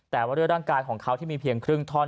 แต่ว่าด้วยร่างกายของเขาที่มีเพียงครึ่งท่อน